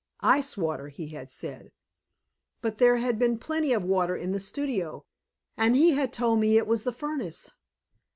Ice water, he had said. But there had been plenty of water in the studio! And he had told me it was the furnace.